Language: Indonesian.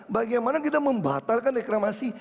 bagaimana kita membatalkan reklamasi